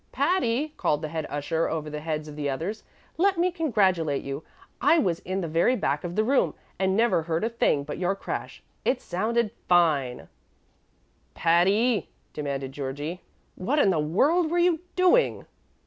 "Patty," called the head usher, over the heads of the others, "let me congratulate you. I was in the very back of the room, and never heard a thing but your crash. It sounded fine!" "Patty," demanded Georgie, "what in the world were you doing?"